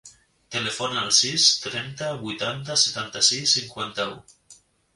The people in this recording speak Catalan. Telefona al sis, trenta, vuitanta, setanta-sis, cinquanta-u.